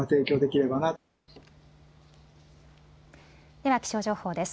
では気象情報です。